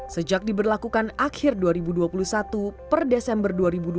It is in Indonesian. sejak diberlakukan akhir dua ribu dua puluh satu per desember dua ribu dua puluh